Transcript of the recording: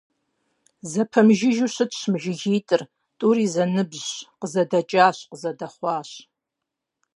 Зэпэмыжыжьэу щытщ мы жыгитӀыр, тӀури зэныбжьщ, къызэдэкӀащ, къызэдэхъуащ.